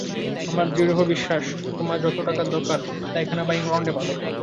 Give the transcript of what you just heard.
আমার দৃঢ় বিশ্বাস, তোমার যত টাকার দরকার, তা এখানে বা ইংলণ্ডে পাবে।